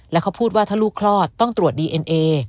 แล้วเขาพูดว่าถ้าลูกคลอดต้องตรวจดีเอ็นเอ